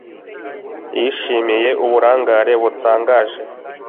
Yishimiye uburangare butangaje